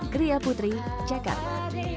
gria putri jakarta